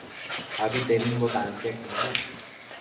Abitedimbo tantiaquid nec